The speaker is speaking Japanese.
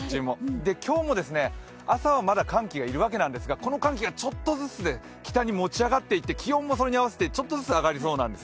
今日も朝はまだ寒気がいるわけなんですが、この寒気がちょっとずつ北に持ち上がっていって気温もそれに合わせてちょっとずつ上がりそうなんですよ。